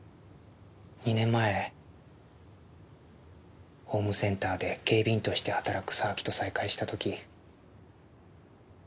２年前ホームセンターで警備員として働く沢木と再会した時。